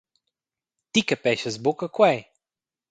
Ti capeschas buca quei!